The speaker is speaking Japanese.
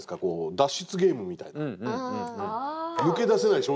脱出ゲームみたいな。